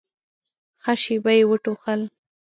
ښه شېبه يې وټوخل.